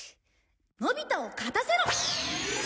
のび太を勝たせろ！